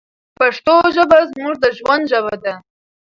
پښتو ژبه زموږ د ژوند ژبه ده.